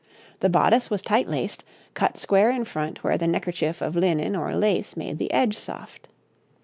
The bodice was tight laced, cut square in front where the neckerchief of linen or lace made the edge soft.